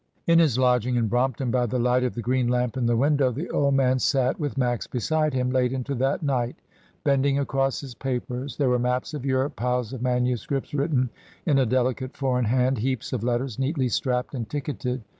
In his lodging in Brompton, by the light of the green lamp in the window, the old man sat, with Max beside him, late into that night, bending across his papers; there were maps of Europe, piles of MSS. written in a delicate foreign hand, heaps of letters neatly strapped and ticketed.